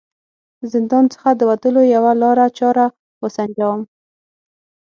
زندان څخه د وتلو یوه لاره چاره و سنجوم.